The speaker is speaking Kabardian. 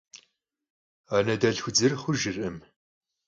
Anedelhxu dzır xhujjırkhım.